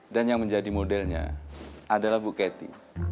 dan yang menjadi modelnya adalah bu cathy